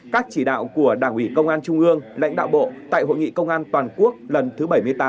các chỉ đạo của đảng ủy công an trung ương lãnh đạo bộ tại hội nghị công an toàn quốc lần thứ bảy mươi tám